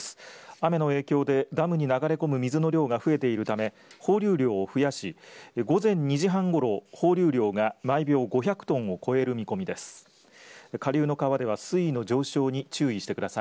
雨の影響でダムに流れ込む水の量が増えているため放流量を増やし午前２時半ごろ放流量が毎秒５００トンを超える見込みです。